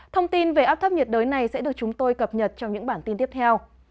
thông tin về áp thấp nhiệt đới này sẽ được chúng tôi cập nhật trong những bản tin tiếp theo